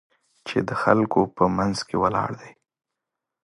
چې د خلکو په منځ کې ولاړ دی.